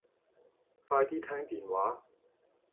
快啲聽電話